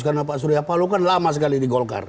karena pak surya palo kan lama sekali di golkar